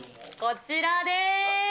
こちらです。